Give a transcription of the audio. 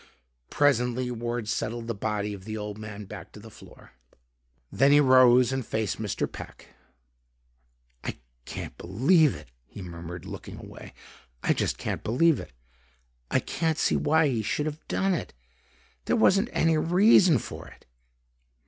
Presently Ward settled the body of the old man back to the floor. Then he rose and faced Mr. Peck. "I can't believe it," he murmured, looking away. "I just can't believe it. I can't see why he should have done it. There wasn't any reason for it."